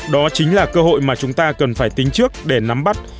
đó chính là cơ hội mà chúng ta cần phải tính trước để nắm bắt